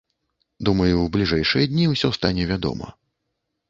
Думаю, у бліжэйшыя дні ўсё стане вядома.